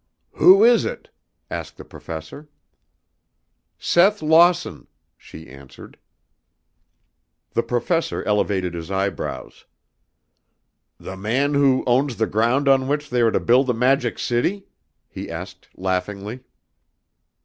"Who is it?" asked the Professor. "Seth Lawson," she answered. The Professor elevated his eyebrows. "The man who owns the ground on which they are to build the Magic City?" he asked laughingly.